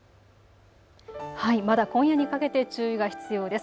まだ今夜にかけて注意が必要です。